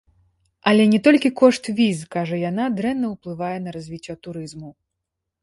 Але не толькі кошт віз, кажа яна, дрэнна ўплывае на развіццё турызму.